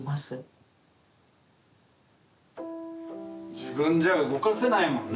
自分じゃ動かせないもんね。